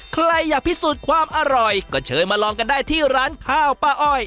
ใครอยากพิสูจน์ความอร่อยก็เชิญมาลองกันได้ที่ร้านข้าวป้าอ้อย